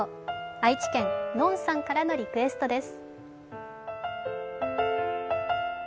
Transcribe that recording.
愛知県のんさんからのリクエストです。